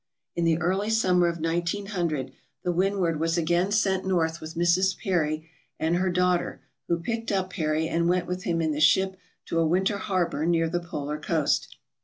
In the early summer of 1900 the "Windward" was again sent north with Mrs. Peary and her daughter, who picked up Peary and went with him in the ship to a winter harbor near the polar coast.